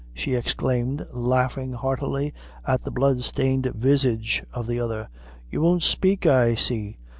she exclaimed, laughing heartily at the blood stained visage of the other. "You won't spake, I see.